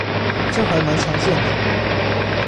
這還蠻常見的